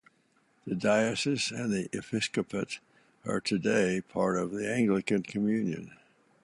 The diocese and the episcopate are today part of the Anglican Communion.